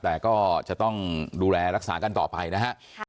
แต่ก็จะต้องดูแลรักษากันต่อไปนะฮะ